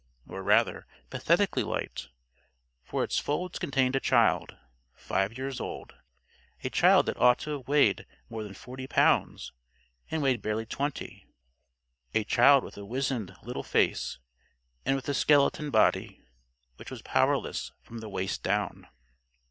Or, rather, pathetically light. For its folds contained a child, five years old; a child that ought to have weighed more than forty pounds and weighed barely twenty. A child with a wizened little old face, and with a skeleton body which was powerless from the waist down.